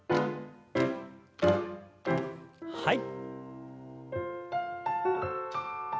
はい。